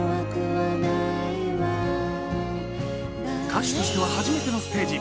歌手としては初めてのステージ。